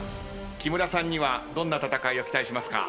木村さんにはどんな戦いを期待しますか？